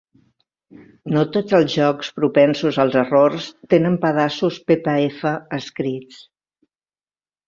No tots els jocs propensos als errors tenen pedaços ppf escrits.